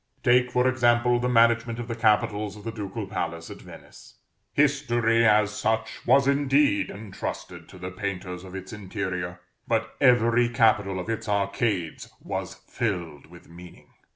Take, for example, the management of the capitals of the ducal palace at Venice. History, as such, was indeed entrusted to the painters of its interior, but every capital of its arcades was filled with meaning.